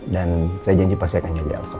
dan saya janji pasti akan jaga elsa